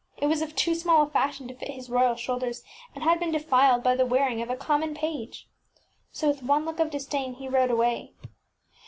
It was of too small a fashion to fit his royal shoulders, and had been defiled by the wearing of a common page. So with one look of disdain he rode away.